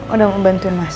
udah mau bantuin mas